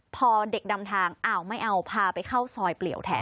พอเด็กดำทางอ้าวไม่เอาพาไปเข้าซอยเปลี่ยวแทน